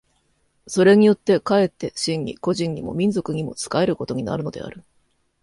それによって却って真に個人にも民族にも仕えることになるのである。